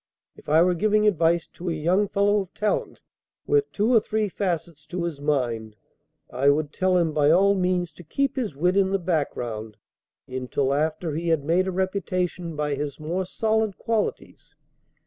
If I were giving advice to a young fellow of talent, with two or three facets to his mind, I would tell him by all means to keep his wit in the background until after he had made a reputation by his more solid qualities.